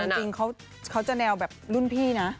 แต่ว่าหนุ่มแสดงจริงเขาจะแนวแบบรุ่นพี่นะ